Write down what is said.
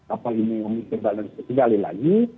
apalagi ini omnitron kembali lagi